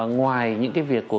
ngoài những cái việc của